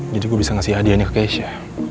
jadi gue bisa ngasih hadiah nih ke keisha